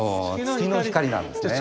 月の光なんですね。